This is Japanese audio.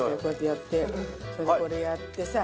それでこれやってさ。